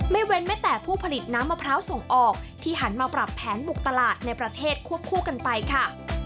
เว้นแม้แต่ผู้ผลิตน้ำมะพร้าวส่งออกที่หันมาปรับแผนบุกตลาดในประเทศควบคู่กันไปค่ะ